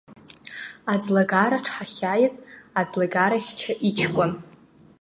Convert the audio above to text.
Аӡлагараҿ ҳахьааиз, аӡлагарахьча иҷкәын.